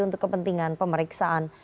untuk kepentingan pemeriksaan